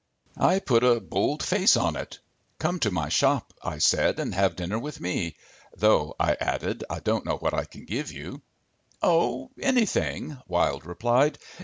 I put a bold face on it. "Come to my shop," I said, "and have dinner with me. Though," I added, "I don't know what I can give you." "Oh, anything," Wilde replied.